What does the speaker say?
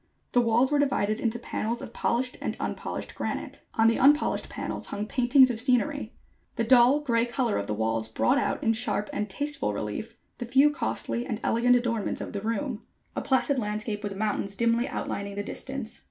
The walls were divided into panels of polished and unpolished granite. On the unpolished panels hung paintings of scenery. The dull, gray color of the walls brought out in sharp and tasteful relief the few costly and elegant adornments of the room: a placid landscape with mountains dimly outlining the distance.